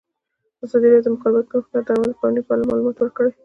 ازادي راډیو د د مخابراتو پرمختګ د اړونده قوانینو په اړه معلومات ورکړي.